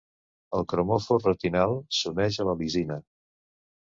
El cromòfor retinal s’uneix a la Lisina.